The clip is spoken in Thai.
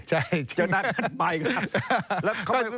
เจอหน้ากันไปกัน